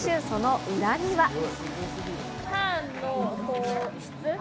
その裏には。